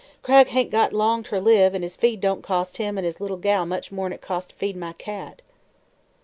Cragg hain't got long ter live an' his feed don't cost him an' his little gal much more'n it costs to feed my cat."